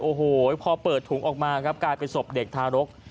โอ้โหพอเปิดถุงออกมาครับกลายเป็นศพเด็กทารก